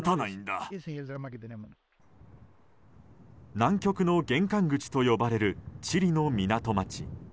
南極の玄関口と呼ばれるチリの港町。